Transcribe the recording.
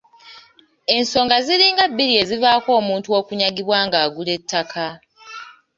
Ensonga ziringa bbiri ezivaako omuntu okunyagibwa nga agula ettaka.